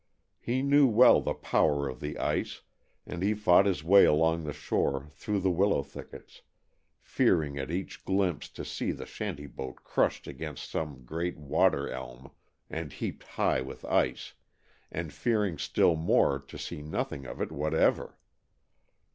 He knew well the power of the ice, and he fought his way along the shore through the willow thickets, fearing at each glimpse to see the shanty boat crushed against some great water elm and heaped high with ice, and fearing still more to see nothing of it whatever.